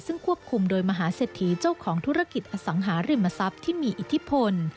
ซึ่งควบคุมโดยมหาเศรษฐีเจ้าของธุรกิจอสังหาริมทรัพย์ที่มีอิทธิพล